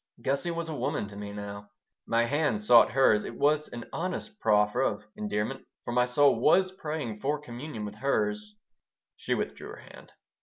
Gussie was a woman to me now. My hand sought hers. It was an honest proffer of endearment, for my soul was praying for communion with hers She withdrew her hand.